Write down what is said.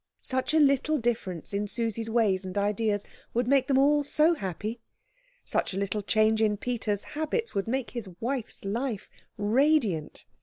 Such a little difference in Susie's ways and ideas would make them all so happy; such a little change in Peter's habits would make his wife's life radiant.